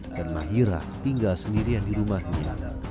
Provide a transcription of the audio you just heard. dan mahira tinggal sendirian di rumahnya